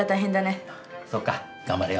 そうか頑張れよ。